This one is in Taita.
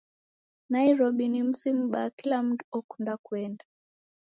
Nairobi ni muzi mubaa kila mundu okunda kuenda